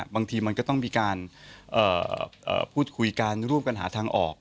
บางทีมันก็ต้องมีการพูดคุยกันร่วมกันหาทางออก